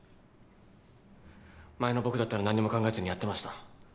前の僕だったら何も考えずにやってました。